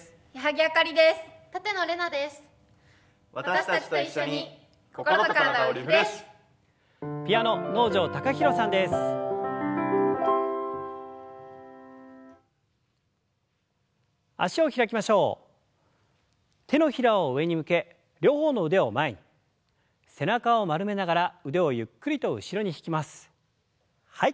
はい。